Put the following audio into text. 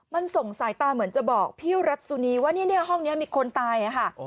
มันส่งสายตาเหมือนจะบอกพี่รัฐสุนีว่าเนี่ยห้องนี้มีคนตายค่ะ